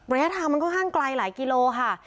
ระยะทางมันค่อนข้างไกลหลายกิโลค่ะ